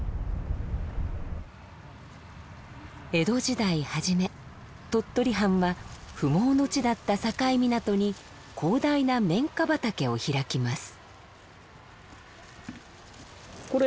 江戸時代初め鳥取藩は不毛の地だった境港に広大な綿花畑を開きます。